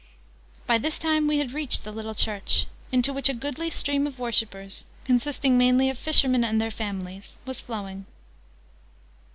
But by this time we had reached the little church, into which a goodly stream of worshipers, consisting mainly of fishermen and their families, was flowing.